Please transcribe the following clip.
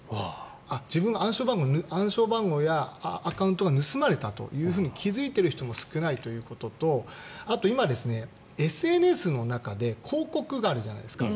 自分は暗証番号やアカウントが盗まれたと気付いている人も少ないということとあと、今、ＳＮＳの中で広告があるじゃないですか。